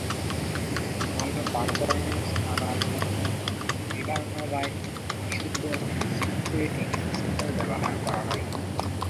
ভালো পারফরম্যান্স আনার জন্য ফিভারনোভায় বিশুদ্ধ সিনথেটিক স্তর ব্যবহার করা হয়।